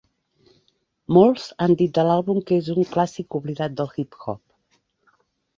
Molts han dit de l'àlbum que és un clàssic oblidat del hip-hop.